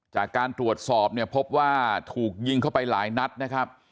จากการตรวจสอบเนี่ยพบว่าถูกยิงเข้าไปหลายนัดนะครับ